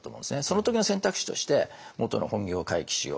その時の選択肢としてもとの本業回帰しよう。